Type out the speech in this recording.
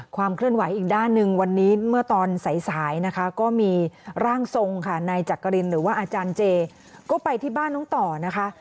ความเคลื่อนไหวอีกด้านหนึ่งวันนี้เมื่อตอนสายสายนะคะก็มีร่างทรงค่ะนายจักรินหรือว่าอาจารย์เจก็ไปที่บ้านน้องต่อนะคะ